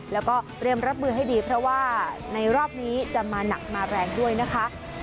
แล้วก็เตรียมรับมือให้ดีเพราะว่าในรอบนี้จะมาหนักมาแรงด้วยนะคะ